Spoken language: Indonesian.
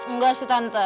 nggak sih tante